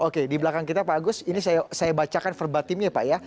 oke di belakang kita pak agus ini saya bacakan verbatimnya pak ya